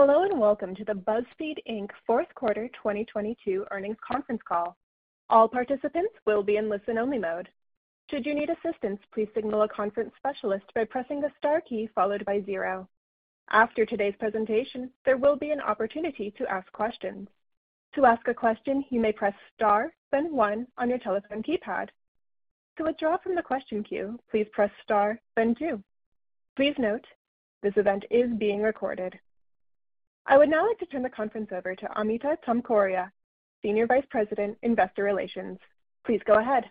Hello, welcome to the BuzzFeed, Inc. Fourth Quarter 2022 Earnings Conference Call. All participants will be in listen-only mode. Should you need assistance, please signal a conference specialist by pressing the star key followed by zero. After today's presentation, there will be an opportunity to ask questions. To ask a question, you may press star then one on your telephone keypad. To withdraw from the question queue, please press star then two. Please note this event is being recorded. I would now like to turn the conference over to Amita Tomkoria, Senior Vice President, Investor Relations. Please go ahead.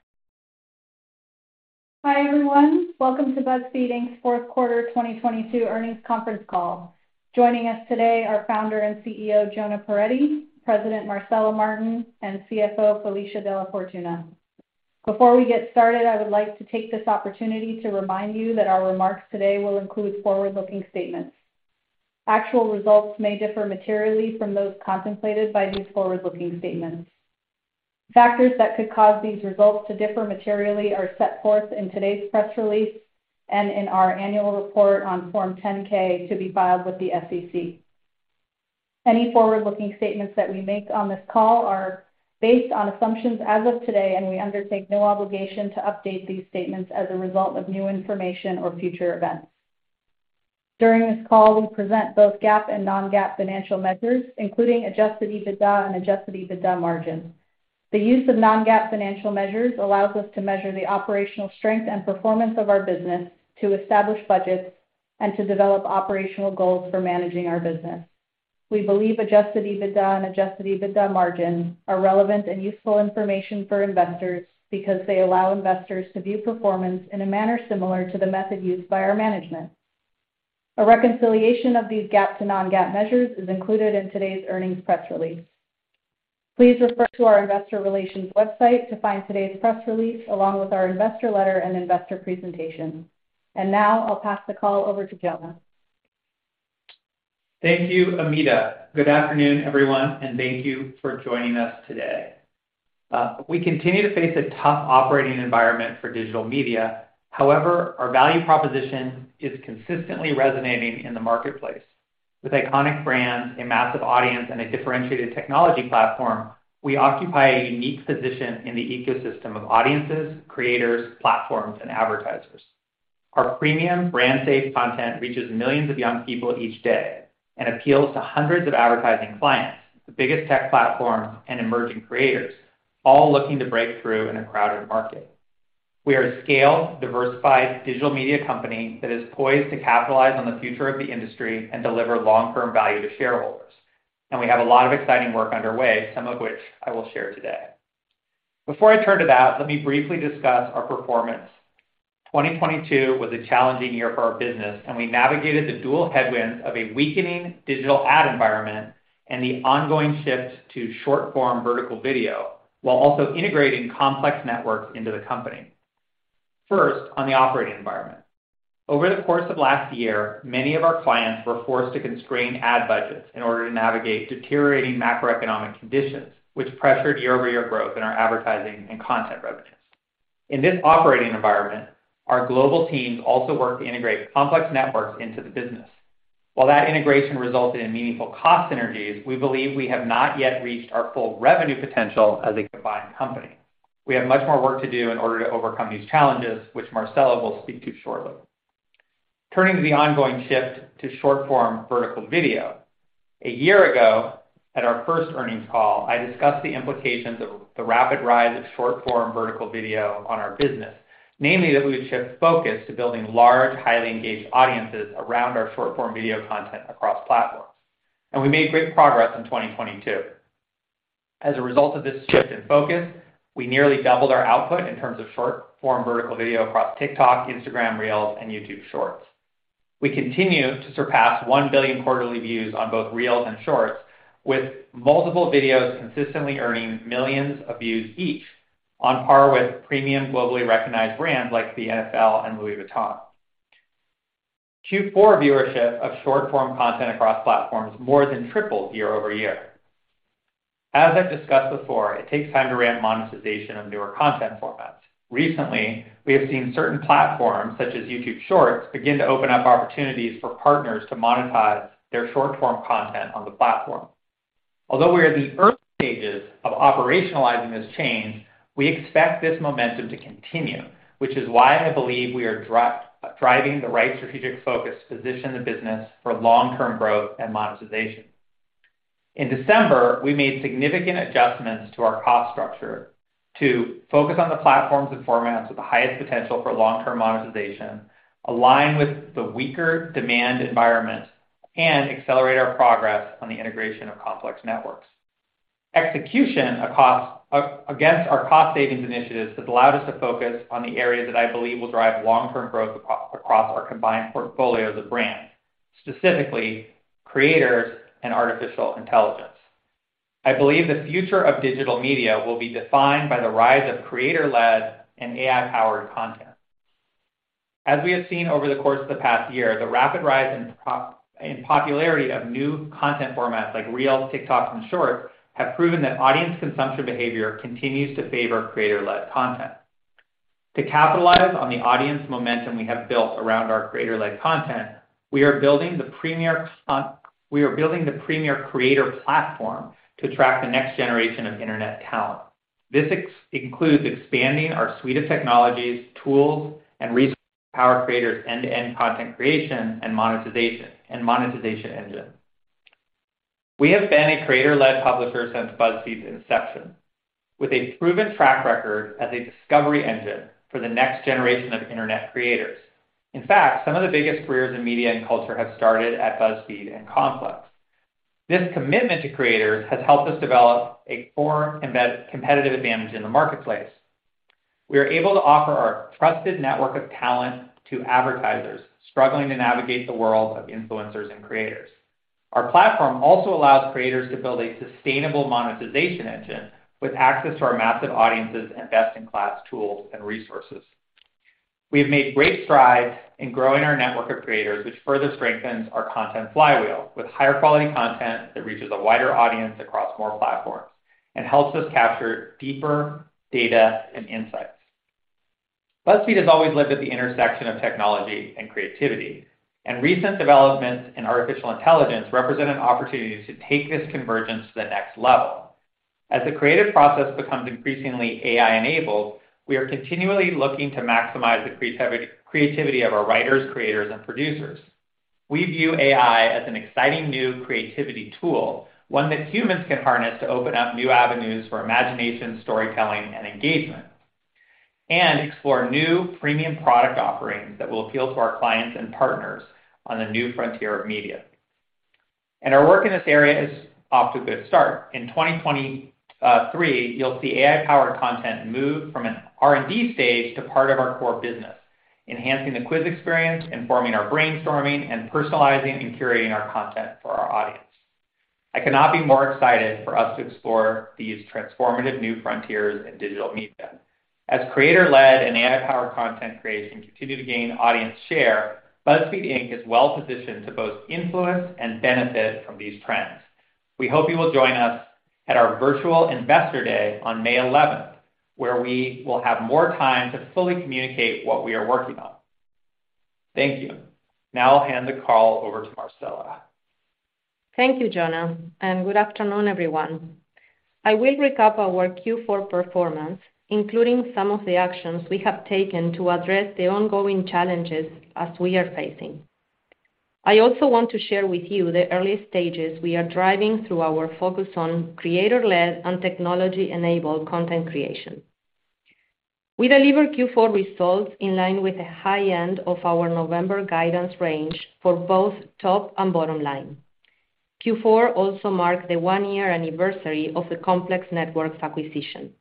Hi, everyone. Welcome to BuzzFeed, Inc.'s Fourth Quarter 2022 Earnings Conference Call. Joining us today are Founder and CEO, Jonah Peretti, President Marcela Martin, and CFO Felicia DellaFortuna. Before we get started, I would like to take this opportunity to remind you that our remarks today will include forward-looking statements. Actual results may differ materially from those contemplated by these forward-looking statements. Factors that could cause these results to differ materially are set forth in today's press release and in our annual report on Form 10-K to be filed with the SEC. Any forward-looking statements that we make on this call are based on assumptions as of today, and we undertake no obligation to update these statements as a result of new information or future events. During this call, we present both GAAP and non-GAAP financial measures, including Adjusted EBITDA and Adjusted EBITDA margins. The use of non-GAAP financial measures allows us to measure the operational strength and performance of our business to establish budgets and to develop operational goals for managing our business. We believe Adjusted EBITDA and Adjusted EBITDA margins are relevant and useful information for investors because they allow investors to view performance in a manner similar to the method used by our management. A reconciliation of these GAAP to non-GAAP measures is included in today's earnings press release. Please refer to our investor relations website to find today's press release along with our investor letter and investor presentation. Now I'll pass the call over to Jonah. Thank you, Amita. Good afternoon, everyone, thank you for joining us today. We continue to face a tough operating environment for digital media. However, our value proposition is consistently resonating in the marketplace. With iconic brands, a massive audience, and a differentiated technology platform, we occupy a unique position in the ecosystem of audiences, creators, platforms, and advertisers. Our premium brand-safe content reaches millions of young people each day and appeals to hundreds of advertising clients, the biggest tech platforms and emerging creators, all looking to break through in a crowded market. We are a scaled, diversified digital media company that is poised to capitalize on the future of the industry and deliver long-term value to shareholders, and we have a lot of exciting work underway, some of which I will share today. Before I turn to that, let me briefly discuss our performance. 2022 was a challenging year for our business. We navigated the dual headwinds of a weakening digital ad environment and the ongoing shift to short-form vertical video while also integrating Complex Networks into the company. First, on the operating environment. Over the course of last year, many of our clients were forced to constrain ad budgets in order to navigate deteriorating macroeconomic conditions, which pressured year-over-year growth in our advertising and content revenues. In this operating environment, our global teams also worked to integrate Complex Networks into the business. While that integration resulted in meaningful cost synergies, we believe we have not yet reached our full revenue potential as a combined company. We have much more work to do in order to overcome these challenges, which Marcela will speak to shortly. Turning to the ongoing shift to short-form vertical video. A year ago, at our first earnings call, I discussed the implications of the rapid rise of short-form vertical video on our business. Namely that we would shift focus to building large, highly engaged audiences around our short-form video content across platforms. We made great progress in 2022. As a result of this shift in focus, we nearly doubled our output in terms of short-form vertical video across TikTok, Instagram Reels, and YouTube Shorts. We continue to surpass 1 billion quarterly views on both Reels and Shorts, with multiple videos consistently earning millions of views each on par with premium globally recognized brands like the NFL and Louis Vuitton. Q4 viewership of short-form content across platforms more than tripled year-over-year. As I've discussed before, it takes time to ramp monetization of newer content formats. Recently, we have seen certain platforms, such as YouTube Shorts, begin to open up opportunities for partners to monetize their short-form content on the platform. Although we are at the early stages of operationalizing this change, we expect this momentum to continue, which is why I believe we are driving the right strategic focus to position the business for long-term growth and monetization. In December, we made significant adjustments to our cost structure to focus on the platforms and formats with the highest potential for long-term monetization, align with the weaker demand environment, and accelerate our progress on the integration of Complex Networks. Execution against our cost savings initiatives has allowed us to focus on the areas that I believe will drive long-term growth across our combined portfolios of brands, specifically creators and artificial intelligence. I believe the future of digital media will be defined by the rise of creator-led and AI-powered content. As we have seen over the course of the past year, the rapid rise in popularity of new content formats like Reels, TikToks, and Shorts have proven that audience consumption behavior continues to favor creator-led content. To capitalize on the audience momentum we have built around our creator-led content, we are building the premier creator platform to attract the next generation of internet talent. This includes expanding our suite of technologies, tools, and resources to power creators end-to-end content creation and monetization engine. We have been a creator-led publisher since BuzzFeed's inception with a proven track record as a discovery engine for the next generation of internet creators. In fact, some of the biggest careers in media and culture have started at BuzzFeed and Complex. This commitment to creators has helped us develop a core embed competitive advantage in the marketplace. We are able to offer our trusted network of talent to advertisers struggling to navigate the world of influencers and creators. Our platform also allows creators to build a sustainable monetization engine with access to our massive audiences and best-in-class tools and resources. We have made great strides in growing our network of creators, which further strengthens our content flywheel with higher quality content that reaches a wider audience across more platforms and helps us capture deeper data and insights. BuzzFeed has always lived at the intersection of technology and creativity, and recent developments in artificial intelligence represent an opportunity to take this convergence to the next level. As the creative process becomes increasingly AI-enabled, we are continually looking to maximize the creativity of our writers, creators, and producers. We view AI as an exciting new creativity tool, one that humans can harness to open up new avenues for imagination, storytelling, and engagement, and explore new premium product offerings that will appeal to our clients and partners on the new frontier of media. Our work in this area is off to a good start. In 2023, you'll see AI-powered content move from an R&D stage to part of our core business, enhancing the quiz experience, informing our brainstorming, and personalizing and curating our content for our audience. I cannot be more excited for us to explore these transformative new frontiers in digital media. As creator-led and AI-powered content creation continue to gain audience share, BuzzFeed Inc. is well-positioned to both influence and benefit from these trends. We hope you will join us at our virtual investor day on May 11th, where we will have more time to fully communicate what we are working on. Thank you. I'll hand the call over to Marcela. Thank you, Jonah, and good afternoon, everyone. I will recap our Q4 performance, including some of the actions we have taken to address the ongoing challenges as we are facing. I also want to share with you the early stages we are driving through our focus on creator-led and technology-enabled content creation. We delivered Q4 results in line with the high end of our November guidance range for both top and bottom line. Q4 also marked the one-year anniversary of the Complex Networks acquisition.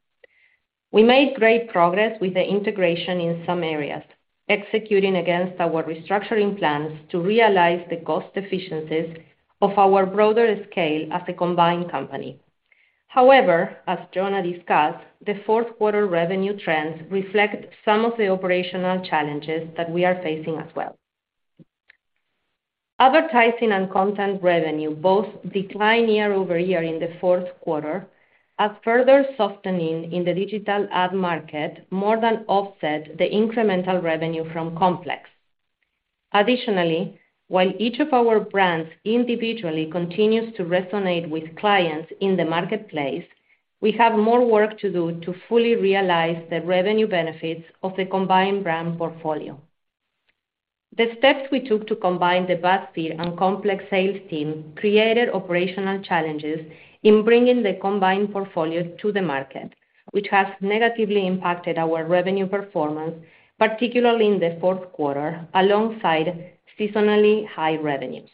We made great progress with the integration in some areas, executing against our restructuring plans to realize the cost efficiencies of our broader scale as a combined company. As Jonah discussed, the fourth quarter revenue trends reflect some of the operational challenges that we are facing as well. Advertising and content revenue both declined year-over-year in the fourth quarter as further softening in the digital ad market more than offset the incremental revenue from Complex. Additionally, while each of our brands individually continues to resonate with clients in the marketplace, we have more work to do to fully realize the revenue benefits of the combined brand portfolio. The steps we took to combine the BuzzFeed and Complex sales team created operational challenges in bringing the combined portfolio to the market, which has negatively impacted our revenue performance, particularly in the fourth quarter, alongside seasonally high revenues.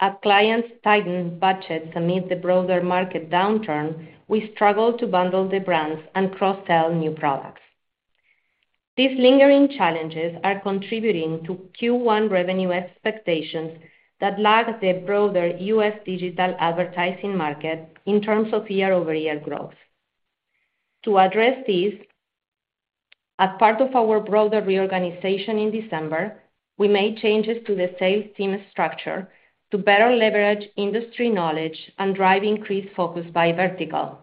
As clients tighten budgets amid the broader market downturn, we struggle to bundle the brands and cross-sell new products. These lingering challenges are contributing to Q1 revenue expectations that lag the broader U.S. digital advertising market in terms of year-over-year growth. To address this, as part of our broader reorganization in December, we made changes to the sales team structure to better leverage industry knowledge and drive increased focus by vertical.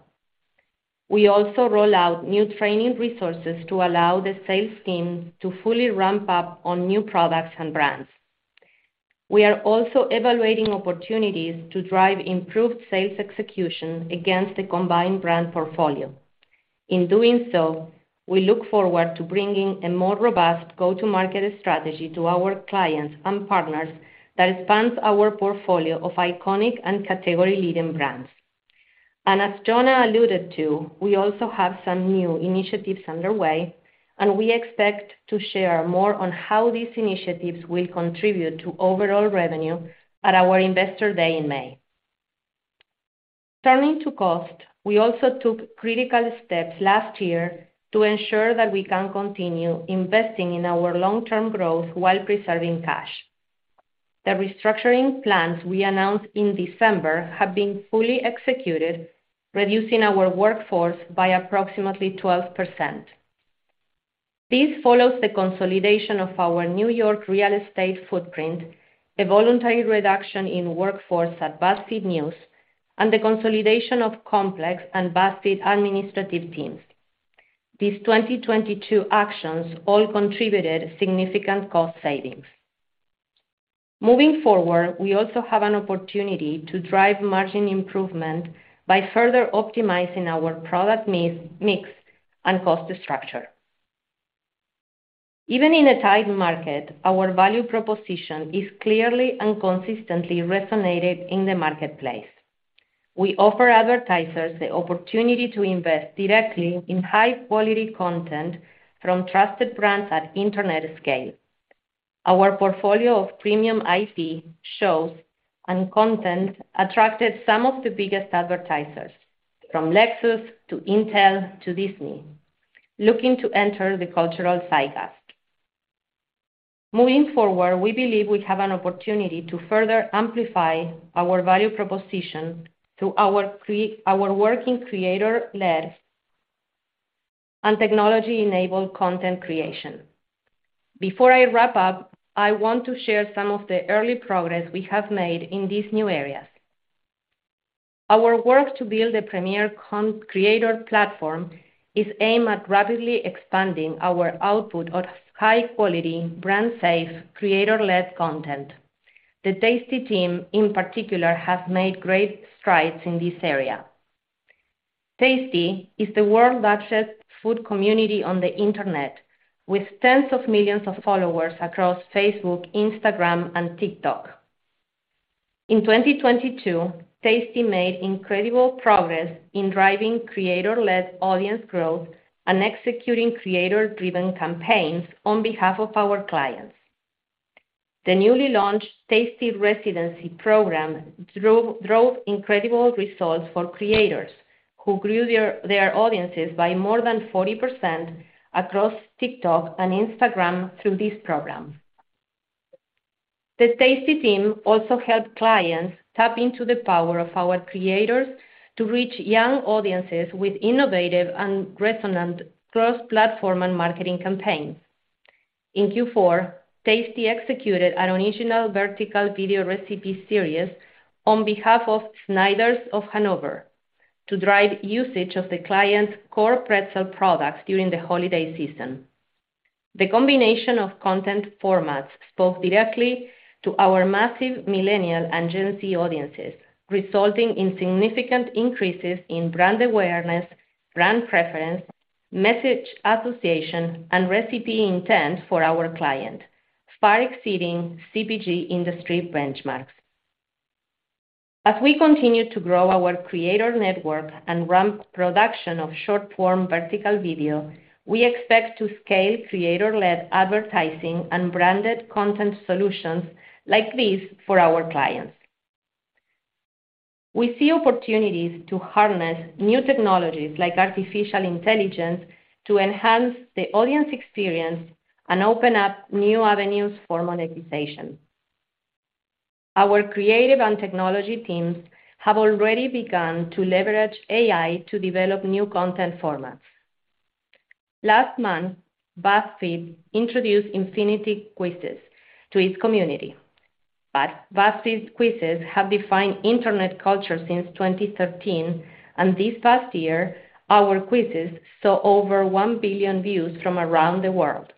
We also roll out new training resources to allow the sales team to fully ramp up on new products and brands. We are also evaluating opportunities to drive improved sales execution against the combined brand portfolio. In doing so, we look forward to bringing a more robust go-to-market strategy to our clients and partners that expands our portfolio of iconic and category-leading brands. As Jonah alluded to, we also have some new initiatives underway, and we expect to share more on how these initiatives will contribute to overall revenue at our Investor Day in May. Turning to cost, we also took critical steps last year to ensure that we can continue investing in our long-term growth while preserving cash. The restructuring plans we announced in December have been fully executed, reducing our workforce by approximately 12%. This follows the consolidation of our New York real estate footprint, a voluntary reduction in workforce at BuzzFeed News, and the consolidation of Complex and vast administrative teams. These 2022 actions all contributed significant cost savings. Moving forward, we also have an opportunity to drive margin improvement by further optimizing our product mis-mix and cost structure. Even in a tight market, our value proposition is clearly and consistently resonated in the marketplace. We offer advertisers the opportunity to invest directly in high-quality content from trusted brands at internet scale. Our portfolio of premium IP, shows, and content attracted some of the biggest advertisers, from Lexus to Intel to Disney, looking to enter the cultural zeitgeist. Moving forward, we believe we have an opportunity to further amplify our value proposition through our working creator-led and technology-enabled content creation. Before I wrap up, I want to share some of the early progress we have made in these new areas. Our work to build a premier creator platform is aimed at rapidly expanding our output of high quality, brand safe, creator-led content. The Tasty team, in particular, has made great strides in this area. Tasty is the world's largest food community on the Internet, with tens of millions of followers across Facebook, Instagram, and TikTok. In 2022, Tasty made incredible progress in driving creator-led audience growth and executing creator-driven campaigns on behalf of our clients. The newly launched Tasty Residency Program drove incredible results for creators who grew their audiences by more than 40% across TikTok and Instagram through this program. The Tasty team also helped clients tap into the power of our creators to reach young audiences with innovative and resonant cross-platform and marketing campaigns. In Q4, Tasty executed an original vertical video recipe series on behalf of Snyder's of Hanover to drive usage of the client's core pretzel products during the holiday season. The combination of content formats spoke directly to our massive millennial and Gen Z audiences, resulting in significant increases in brand awareness, brand preference, message association, and recipe intent for our client, far exceeding CPG industry benchmarks. We continue to grow our creator network and ramp production of short-form vertical video, we expect to scale creator-led advertising and branded content solutions like these for our clients. We see opportunities to harness new technologies like artificial intelligence to enhance the audience experience and open up new avenues for monetization. Our creative and technology teams have already begun to leverage AI to develop new content formats. Last month, BuzzFeed introduced Infinity Quizzes to its community. BuzzFeed's quizzes have defined internet culture since 2013, and this past year, our quizzes saw over 1 billion views from around the world.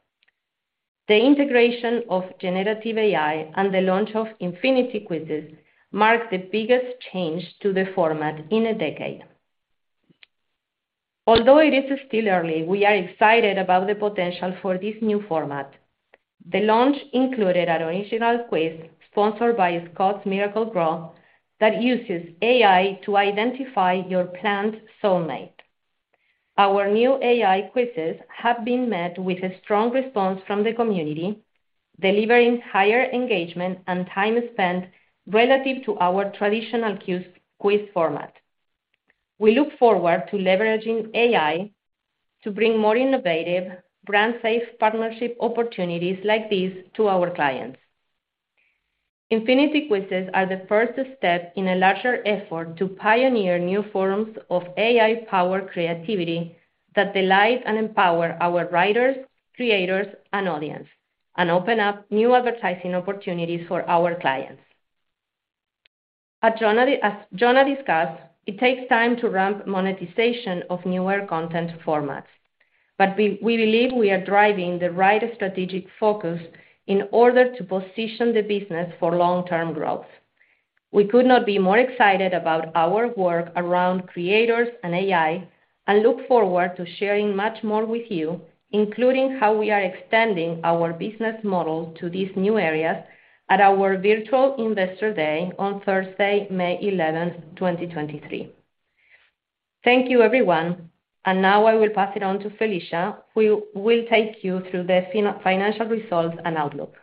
The integration of generative AI and the launch of Infinity Quizzes marks the biggest change to the format in a decade. Although it is still early, we are excited about the potential for this new format. The launch included an original quiz sponsored by Scotts Miracle-Gro that uses AI to identify your plant soulmate. Our new AI quizzes have been met with a strong response from the community, delivering higher engagement and time spent relative to our traditional quiz format. We look forward to leveraging AI to bring more innovative, brand-safe partnership opportunities like these to our clients. Infinity Quizzes are the first step in a larger effort to pioneer new forms of AI-powered creativity that delight and empower our writers, creators, and audience, and open up new advertising opportunities for our clients. As Jonah discussed, it takes time to ramp monetization of newer content formats, but we believe we are driving the right strategic focus in order to position the business for long-term growth. We could not be more excited about our work around creators and AI and look forward to sharing much more with you, including how we are expanding our business model to these new areas at our virtual Investor Day on Thursday, May 11th, 2023. Thank you, everyone. Now I will pass it on to Felicia, who will take you through the financial results and outlook.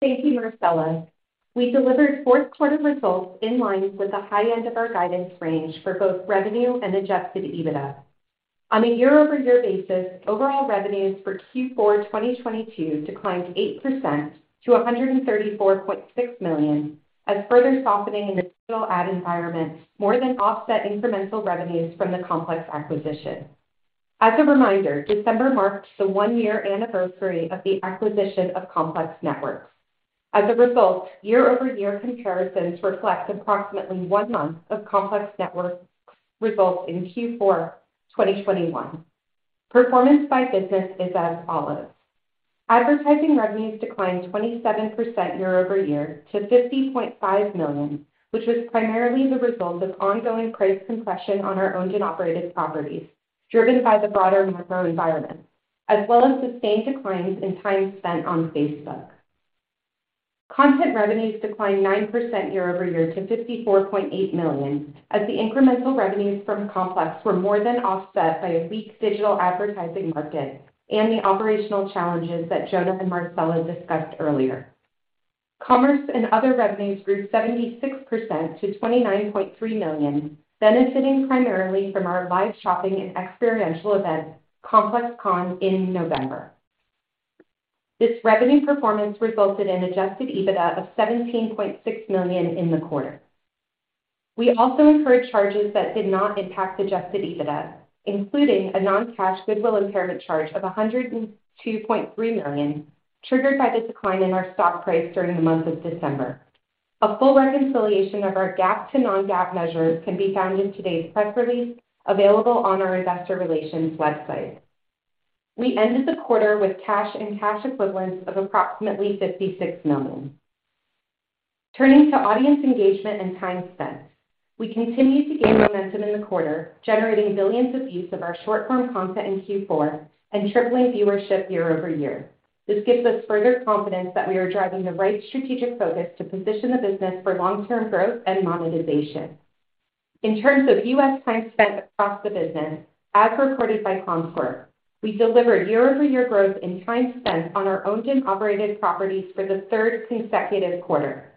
Thank you, Marcela. We delivered fourth quarter results in line with the high end of our guidance range for both revenue and Adjusted EBITDA. On a year-over-year basis, overall revenues for Q4 2022 declined 8% to $134.6 million as further softening in the digital ad environment more than offset incremental revenues from the Complex acquisition. As a reminder, December marked the one-year anniversary of the acquisition of Complex Networks. As a result, year-over-year comparisons reflect approximately one month of Complex Network results in Q4 2021. Performance by business is as follows: advertising revenues declined 27% year-over-year to $50.5 million, which was primarily the result of ongoing price compression on our owned and operated properties, driven by the broader macro environment, as well as sustained declines in time spent on Facebook. Content revenues declined 9% year-over-year to $54.8 million, as the incremental revenues from Complex were more than offset by a weak digital advertising market and the operational challenges that Jonah and Marcella discussed earlier. Commerce and other revenues grew 76% to $29.3 million, benefiting primarily from our live shopping and experiential event, ComplexCon, in November. This revenue performance resulted in Adjusted EBITDA of $17.6 million in the quarter. We also incurred charges that did not impact Adjusted EBITDA, including a non-cash goodwill impairment charge of $102.3 million, triggered by the decline in our stock price during the month of December. A full reconciliation of our GAAP to non-GAAP measures can be found in today's press release, available on our investor relations website. We ended the quarter with cash and cash equivalents of approximately $56 million. Turning to audience engagement and time spent. We continued to gain momentum in the quarter, generating billions of views of our short-form content in Q4 and tripling viewership year-over-year. This gives us further confidence that we are driving the right strategic focus to position the business for long-term growth and monetization. In terms of US time spent across the business, as reported by Comscore, we delivered year-over-year growth in time spent on our owned and operated properties for the third consecutive quarter.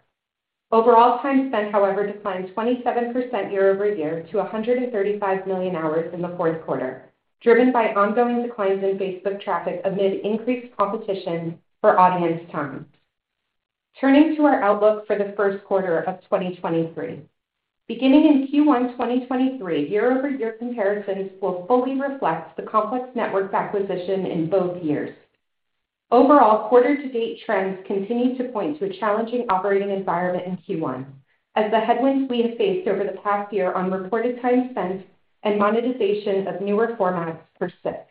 Overall time spent, however, declined 27% year-over-year to 135 million hours in the fourth quarter, driven by ongoing declines in Facebook traffic amid increased competition for audience time. Turning to our outlook for the first quarter of 2023. Beginning in Q1 2023, year-over-year comparisons will fully reflect the Complex Networks acquisition in both years. Overall, quarter to date trends continue to point to a challenging operating environment in Q1 as the headwinds we have faced over the past year on reported time spent and monetization of newer formats persist.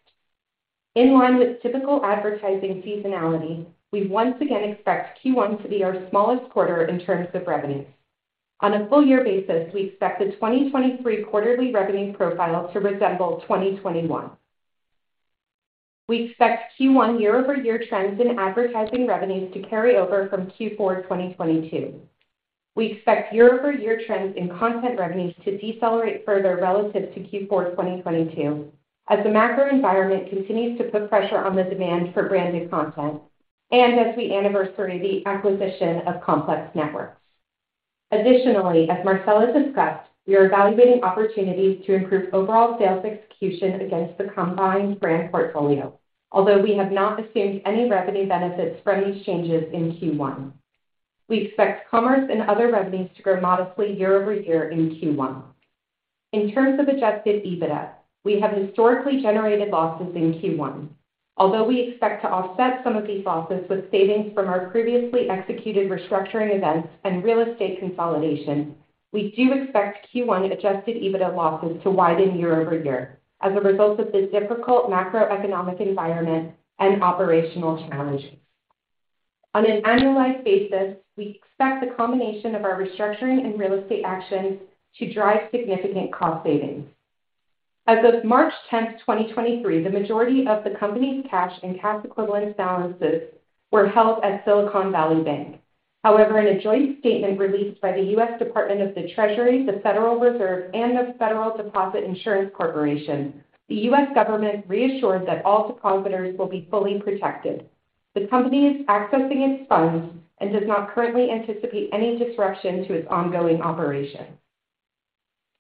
In line with typical advertising seasonality, we once again expect Q1 to be our smallest quarter in terms of revenues. On a full year basis, we expect the 2023 quarterly revenue profile to resemble 2021. We expect Q1 year-over-year trends in advertising revenues to carry over from Q4 2022. We expect year-over-year trends in content revenues to decelerate further relative to Q4 2022 as the macro environment continues to put pressure on the demand for branded content and as we anniversary the acquisition of Complex Networks. Additionally, as Marcela discussed, we are evaluating opportunities to improve overall sales execution against the combined brand portfolio. Although we have not assumed any revenue benefits from these changes in Q1. We expect commerce and other revenues to grow modestly year-over-year in Q1. In terms of Adjusted EBITDA, we have historically generated losses in Q1. Although we expect to offset some of these losses with savings from our previously executed restructuring events and real estate consolidation, we do expect Q1 Adjusted EBITDA losses to widen year-over-year as a result of the difficult macroeconomic environment and operational challenges. On an annualized basis, we expect the combination of our restructuring and real estate actions to drive significant cost savings. As of March 10th, 2023, the majority of the company's cash and cash equivalents balances were held at Silicon Valley Bank. However, in a joint statement released by the U.S. Department of the Treasury, the Federal Reserve, and the Federal Deposit Insurance Corporation, the U.S. government reassured that all depositors will be fully protected. The company is accessing its funds and does not currently anticipate any disruption to its ongoing operations.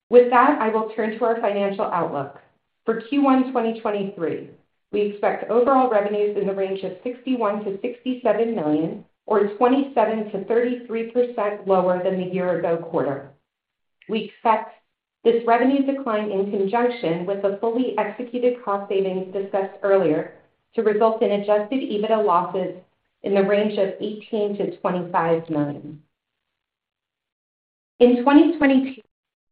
With that, I will turn to our financial outlook. For Q1 2023, we expect overall revenues in the range of $61 million to $67 million or 27% to 33% lower than the year-ago quarter. We expect this revenue decline in conjunction with the fully executed cost savings discussed earlier to result in Adjusted EBITDA losses in the range of $18 million to $25 million. In 2022,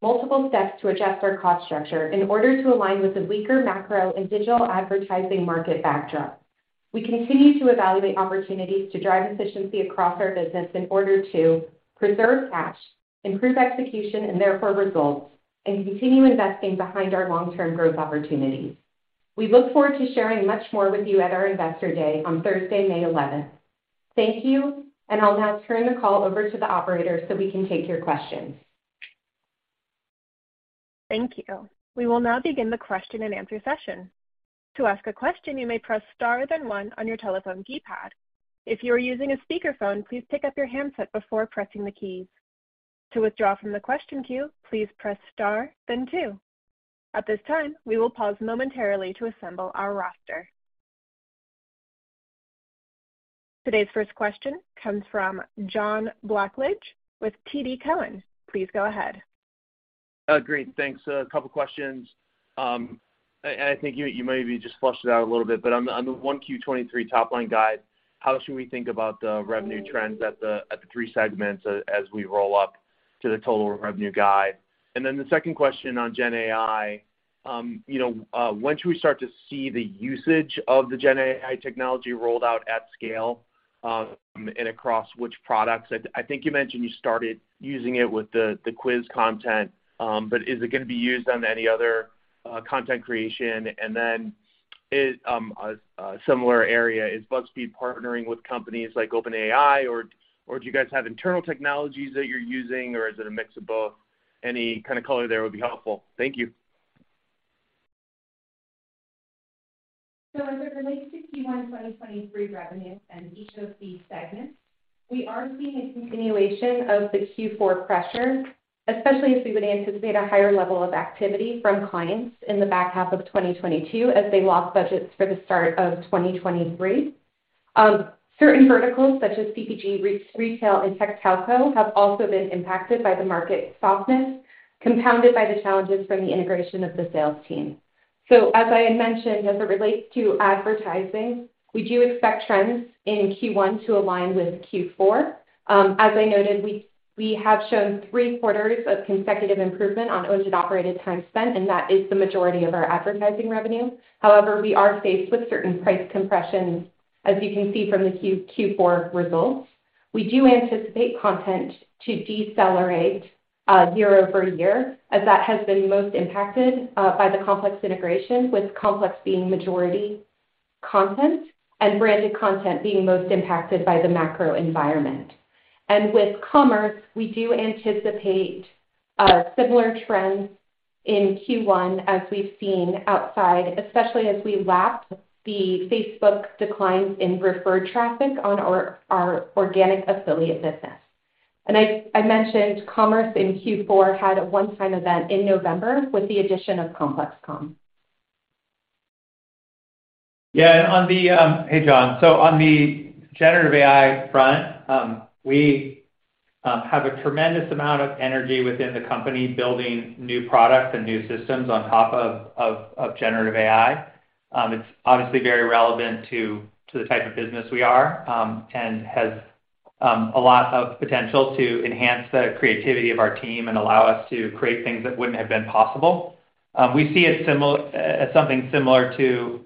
multiple steps to adjust our cost structure in order to align with the weaker macro and digital advertising market backdrop. We continue to evaluate opportunities to drive efficiency across our business in order to preserve cash, improve execution and therefore results, and continue investing behind our long-term growth opportunities. We look forward to sharing much more with you at our Investor Day on Thursday, May 11th. Thank you, and I'll now turn the call over to the operator so we can take your questions. Thank you. We will now begin the question-and-answer session. To ask a question, you may press star then one on your telephone keypad. If you are using a speakerphone, please pick up your handset before pressing the keys. To withdraw from the question queue, please press star then two. At this time, we will pause momentarily to assemble our roster. Today's first question comes from John Blackledge with TD Cowen. Please go ahead. Great. Thanks. A couple questions. I think you maybe just flushed it out a little bit, but on the 1Q-23 top line guide, how should we think about the revenue trends at the three segments as we roll up to the total revenue guide? The second question on GenAI, you know, when should we start to see the usage of the GenAI technology rolled out at scale and across which products? I think you mentioned you started using it with the quiz content, but is it gonna be used on any other content creation? Is a similar area, is BuzzFeed partnering with companies like OpenAI, or do you guys have internal technologies that you're using, or is it a mix of both? Any kind of color there would be helpful. Thank you. As it relates to Q1 2023 revenue and each of the segments, we are seeing a continuation of the Q4 pressure, especially as we would anticipate a higher level of activity from clients in the back half of 2022 as they lost budgets for the start of 2023. Certain verticals such as CPG, re-retail, and Tech/Telco have also been impacted by the market softness, compounded by the challenges from the integration of the sales team. As I had mentioned, as it relates to advertising, we do expect trends in Q1 to align with Q4. As I noted, we have shown three quarters of consecutive improvement on owned and operated time spent, and that is the majority of our advertising revenue. However, we are faced with certain price compressions, as you can see from the Q4 results. We do anticipate content to decelerate, year-over-year, as that has been most impacted by the Complex integration, with Complex being majority content and branded content being most impacted by the macro environment. With commerce, we do anticipate similar trends in Q1 as we've seen outside, especially as we lap the Facebook declines in referred traffic on our organic affiliate business. I mentioned commerce in Q4 had a one-time event in November with the addition of Complex Comm. Yeah. On the, Hey, John. On the generative AI front, we have a tremendous amount of energy within the company building new products and new systems on top of generative AI. It's obviously very relevant to the type of business we are and has a lot of potential to enhance the creativity of our team and allow us to create things that wouldn't have been possible. We see it similar as something similar to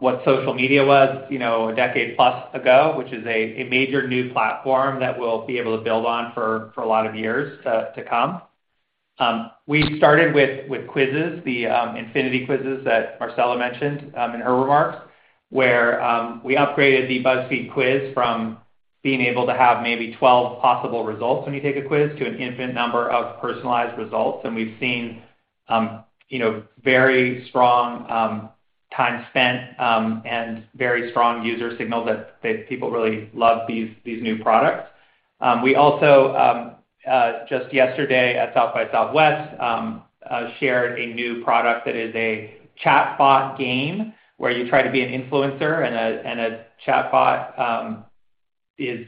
what social media was, you know, a decade plus ago, which is a major new platform that we'll be able to build on for a lot of years to come. We started with quizzes, the Infinity Quizzes that Marcela mentioned in her remarks, where we upgraded the BuzzFeed quiz from being able to have maybe 12 possible results when you take a quiz to an infinite number of personalized results. We've seen, you know, very strong time spent and very strong user signal that people really love these new products. We also just yesterday at South by Southwest shared a new product that is a chatbot game where you try to be an influencer and a chatbot is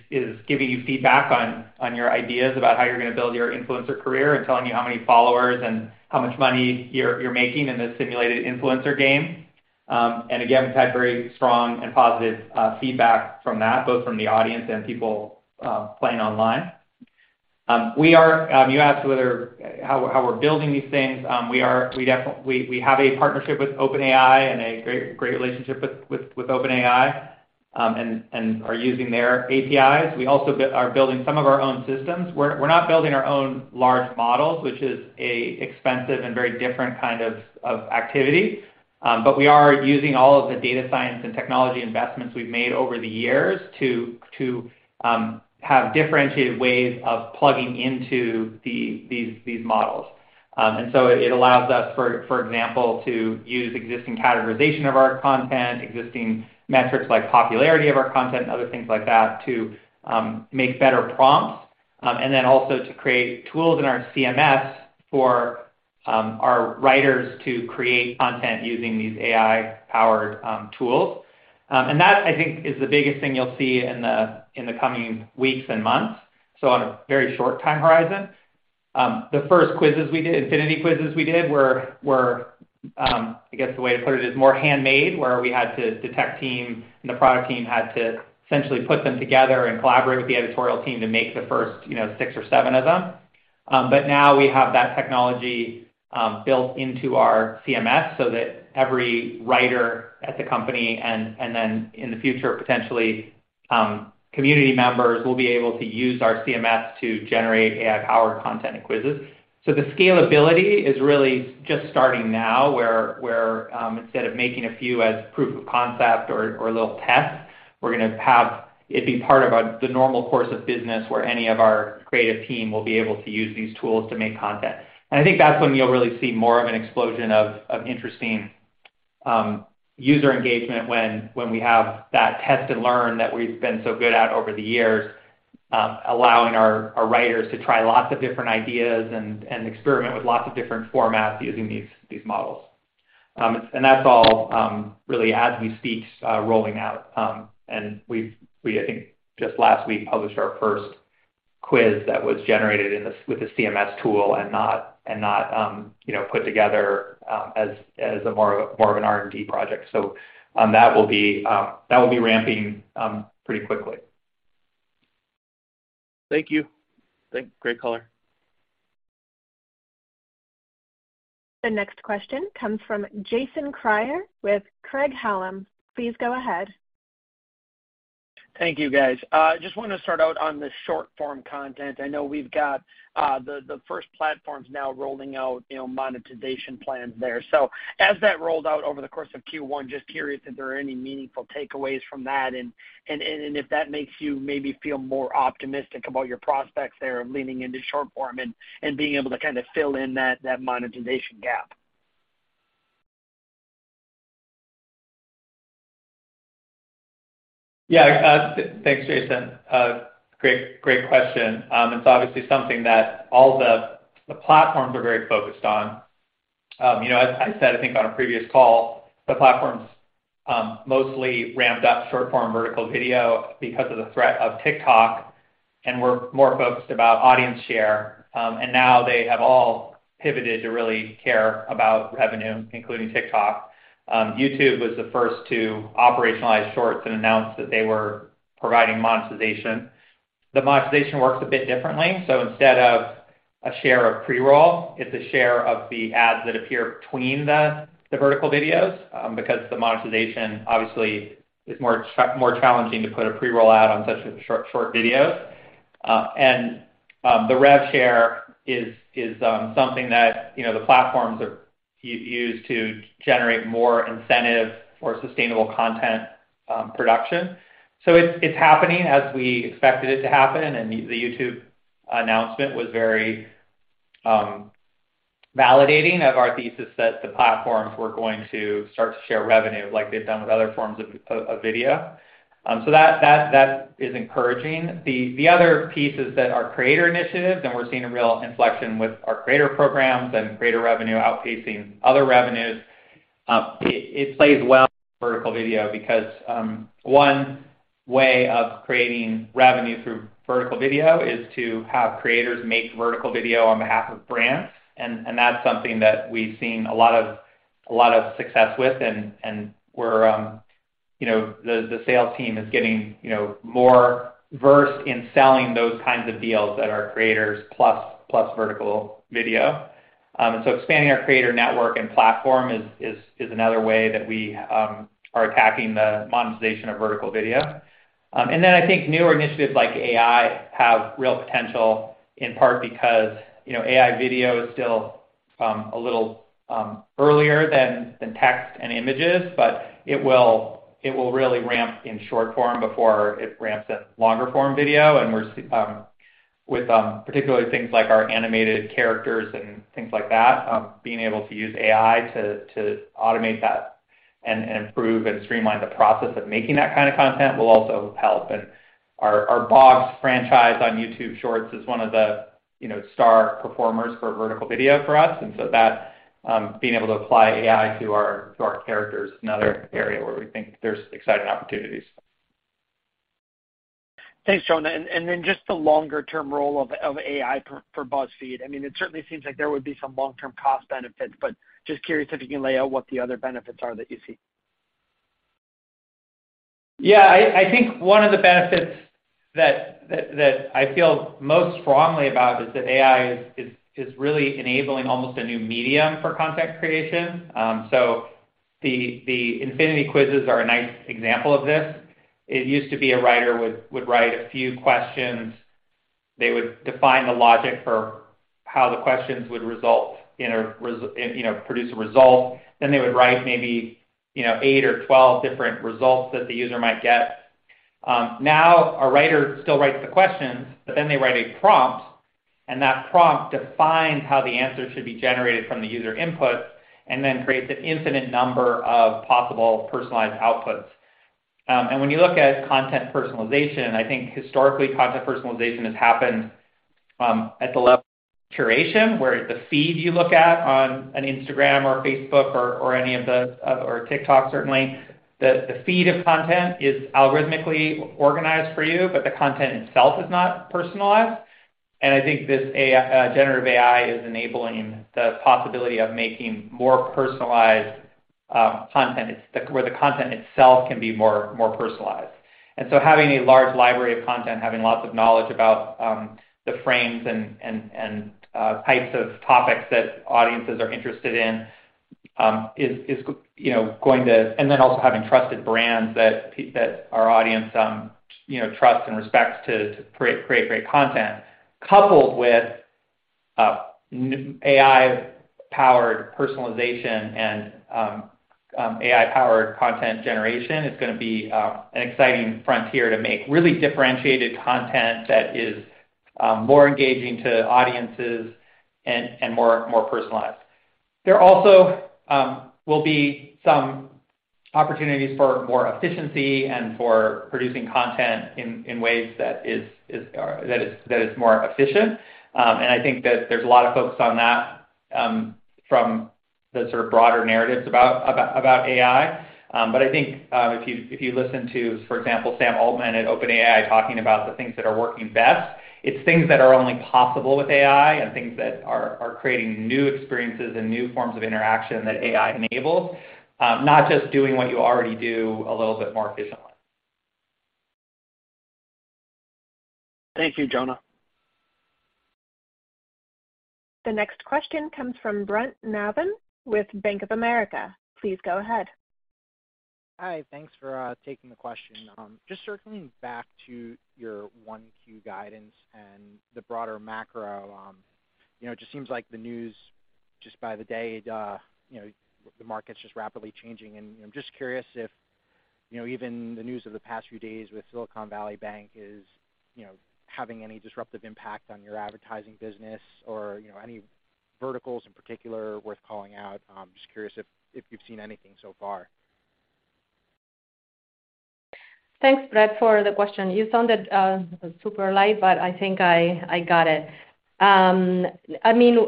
giving you feedback on your ideas about how you're gonna build your influencer career and telling you how many followers and how much money you're making in this simulated influencer game. Again, we've had very strong and positive feedback from that, both from the audience and people playing online. We are, you asked whether how we're building these things. We are, we have a partnership with OpenAI and a great relationship with OpenAI, and are using their APIs. We also are building some of our own systems. We're not building our own large models, which is an expensive and very different kind of activity, but we are using all of the data science and technology investments we've made over the years to have differentiated ways of plugging into these models. It allows us, for example, to use existing categorization of our content, existing metrics like popularity of our content and other things like that to make better prompts, and then also to create tools in our CMS for our writers to create content using these AI-powered tools. That, I think, is the biggest thing you'll see in the coming weeks and months, so on a very short time horizon. The first quizzes we did, Infinity Quizzes we did were, I guess the way to put it, is more handmade, where we had to detect team, and the product team had to essentially put them together and collaborate with the editorial team to make the first, you know, six or seven of them. Now we have that technology built into our CMS so that every writer at the company and then in the future, potentially, community members will be able to use our CMS to generate AI-powered content and quizzes. The scalability is really just starting now, where, instead of making a few as proof of concept or a little test, we're gonna have it be part of the normal course of business where any of our creative team will be able to use these tools to make content. I think that's when you'll really see more of an explosion of interesting user engagement when we have that test and learn that we've been so good at over the years, allowing our writers to try lots of different ideas and experiment with lots of different formats using these models. That's all really as we speak, rolling out. I think just last week published our first quiz that was generated with the CMS tool and not, you know, put together as more of an R&D project. That will be ramping pretty quickly. Thank you. Great color. The next question comes from Jason Kreyer with Craig-Hallum. Please go ahead. Thank you, guys. just wanna start out on the short-form content. I know we've got, the first platforms now rolling out, you know, monetization plans there. As that rolled out over the course of Q1, just curious if there are any meaningful takeaways from that and if that makes you maybe feel more optimistic about your prospects there of leaning into short form and being able to kind of fill in that monetization gap? Thanks, Jason. Great question. It's obviously something that all the platforms are very focused on. You know, as I said, I think on a previous call, the platforms mostly ramped up short-form vertical video because of the threat of TikTok, and were more focused about audience share. Now they have all pivoted to really care about revenue, including TikTok. YouTube was the first to operationalize shorts and announce that they were providing monetization. The monetization works a bit differently. Instead of a share of pre-roll, it's a share of the ads that appear between the vertical videos, because the monetization obviously is more challenging to put a pre-roll ad on such short videos. The rev share is something that, you know, the platforms are used to generate more incentive for sustainable content production. It's happening as we expected it to happen, the YouTube announcement was very validating of our thesis that the platforms were going to start to share revenue like they've done with other forms of video. That is encouraging. The other piece is that our creator initiatives, and we're seeing a real inflection with our creator programs and creator revenue outpacing other revenues. It plays well with vertical video because one way of creating revenue through vertical video is to have creators make vertical video on behalf of brands, and that's something that we've seen a lot of success with, and we're, you know, the sales team is getting, you know, more versed in selling those kinds of deals that are creators plus vertical video. Expanding our creator network and platform is another way that we are attacking the monetization of vertical video. I think newer initiatives like AI have real potential, in part because, you know, AI video is still a little earlier than text and images, but it will really ramp in short form before it ramps at longer form video. We're with, particularly things like our animated characters and things like that, being able to use AI to automate that and improve and streamline the process of making that kind of content will also help. Our Boss franchise on YouTube Shorts is one of the, you know, star performers for vertical video for us. That, being able to apply AI to our, to our characters is another area where we think there's exciting opportunities. Thanks, Jonah. Just the longer term role of AI for BuzzFeed. I mean, it certainly seems like there would be some long-term cost benefits, but just curious if you can lay out what the other benefits are that you see? I think one of the benefits that I feel most strongly about is that AI is really enabling almost a new medium for content creation. The Infinity Quizzes are a nice example of this. It used to be a writer would write a few questions. They would define the logic for how the questions would result in a produce a result. They would write maybe, you know, 8 or 12 different results that the user might get. Now a writer still writes the questions, they write a prompt, and that prompt defines how the answer should be generated from the user input and creates an infinite number of possible personalized outputs. When you look at content personalization, I think historically, content personalization has happened at the level of curation, where the feed you look at on an Instagram or Facebook or any of the... or TikTok certainly, the feed of content is algorithmically organized for you, but the content itself is not personalized. I think this generative AI is enabling the possibility of making more personalized content. where the content itself can be more personalized. having a large library of content, having lots of knowledge about the frames and types of topics that audiences are interested in, is you know, going to... Also having trusted brands that our audience, you know, trusts and respects to create great content, coupled with AI-powered personalization and AI-powered content generation is gonna be an exciting frontier to make really differentiated content that is more engaging to audiences and more personalized. There also will be Opportunities for more efficiency and for producing content in ways that is more efficient. I think that there's a lot of focus on that from the sort of broader narratives about AI. I think, if you listen to, for example, Sam Altman at OpenAI talking about the things that are working best, it's things that are only possible with AI and things that are creating new experiences and new forms of interaction that AI enables, not just doing what you already do a little bit more efficiently. Thank you, Jonah. The next question comes from Brent Navon with Bank of America. Please go ahead. Hi. Thanks for taking the question. Just circling back to your 1Q guidance and the broader macro, you know, it just seems like the news just by the day, you know, the market's just rapidly changing. you know, I'm just curious if, you know, even the news of the past few days with Silicon Valley Bank is, you know, having any disruptive impact on your advertising business or, you know, any verticals in particular worth calling out. Just curious if you've seen anything so far. Thanks, Brent Navon, for the question. You sounded super light, but I think I got it. I mean,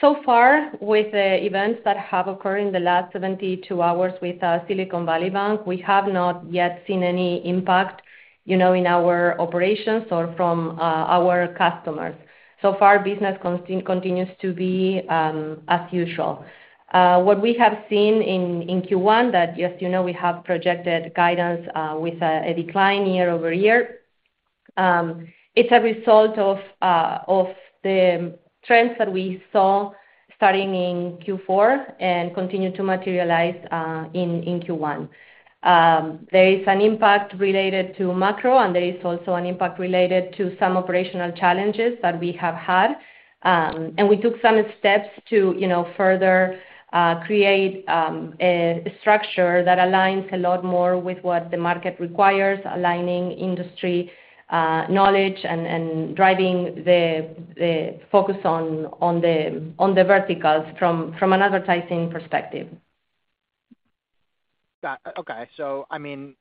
so far with the events that have occurred in the last 72 hours with Silicon Valley Bank, we have not yet seen any impact, you know, in our operations or from our customers. So far, business continues to be as usual. What we have seen in Q1 that, as you know, we have projected guidance with a decline year over year. It's a result of the trends that we saw starting in Q4 and continue to materialize in Q1. There is an impact related to macro, and there is also an impact related to some operational challenges that we have had. We took some steps to, you know, further, create a structure that aligns a lot more with what the market requires, aligning industry knowledge and driving the focus on the verticals from an advertising perspective. Got it. Okay. I mean,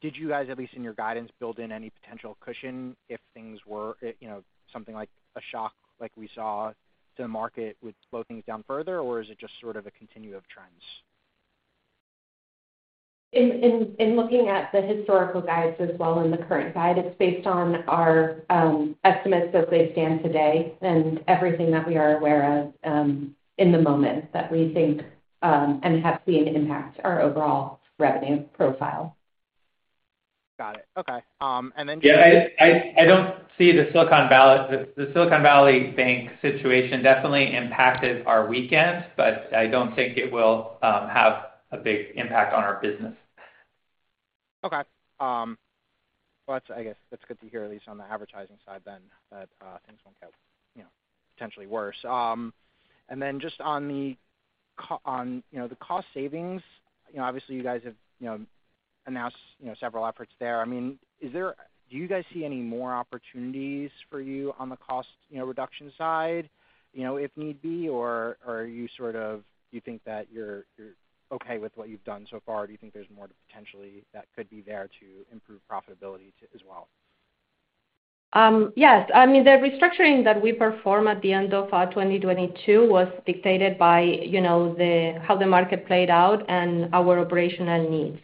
did you guys, at least in your guidance, build in any potential cushion if things were, you know, something like a shock like we saw the market would slow things down further, or is it just sort of a continue of trends? In looking at the historical guides as well in the current guide, it's based on our estimates as they stand today and everything that we are aware of in the moment that we think and have seen impact our overall revenue profile. Got it. Okay. Yeah, I don't see the Silicon Valley Bank situation definitely impacted our weekend, but I don't think it will have a big impact on our business. Okay. Well, that's, I guess, that's good to hear at least on the advertising side then that things won't get, you know, potentially worse. Then just on, you know, the cost savings, you know, obviously you guys have, you know, announced, you know, several efforts there. I mean, do you guys see any more opportunities for you on the cost, you know, reduction side, you know, if need be, or are you sort of... Do you think that you're okay with what you've done so far? Do you think there's more to potentially that could be there to improve profitability as well? Yes. I mean, the restructuring that we performed at the end of 2022 was dictated by, you know, the, how the market played out and our operational needs.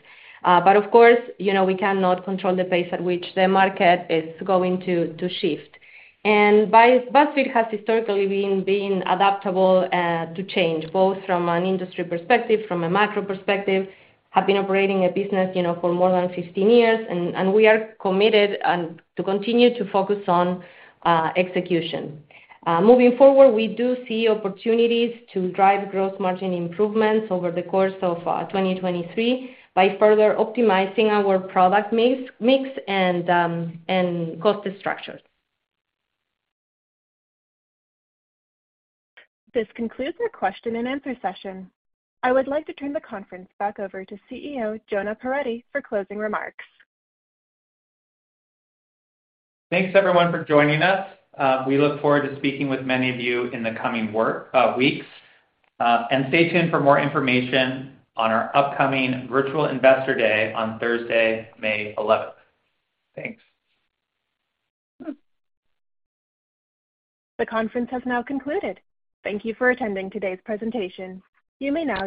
Of course, you know, we cannot control the pace at which the market is going to shift. BuzzFeed has historically been adaptable to change, both from an industry perspective, from a macro perspective, have been operating a business, you know, for more than 15 years, and we are committed to continue to focus on execution. Moving forward, we do see opportunities to drive gross margin improvements over the course of 2023 by further optimizing our product mix and cost structures. This concludes our question and answer session. I would like to turn the conference back over to CEO, Jonah Peretti, for closing remarks. Thanks everyone for joining us. We look forward to speaking with many of you in the coming weeks. Stay tuned for more information on our upcoming Virtual Investor Day on Thursday, May 11th. Thanks. The conference has now concluded. Thank you for attending today's presentation. You may now disconnect.